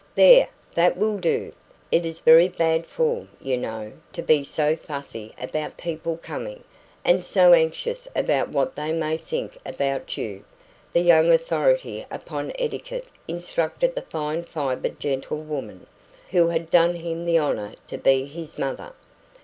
"There, that will do. It is very bad form, you know, to be so fussy about people coming, and so anxious about what they may think about you," the young authority upon etiquette instructed the fine fibred gentlewoman, who had done him the honour to be his mother.